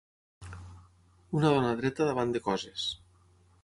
una dona dreta davant de coses.